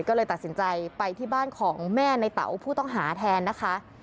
ก็เลยตัดสินใจไปที่บ้านของแม่ในเต๋าผู้ต้องหาแทนนะคะ